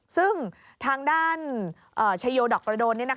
ซึ่งทางด้านชายโยดอกกระโดน